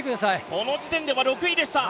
この時点では６位でした。